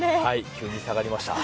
急に下がりましたね。